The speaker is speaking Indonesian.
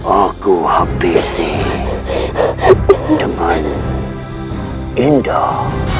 aku habisi dengan indah